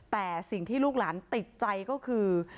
แต่สิ่งที่ลูกหลานติดใจก็คือ